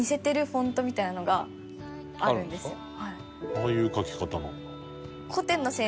ああいう書き方なんだ。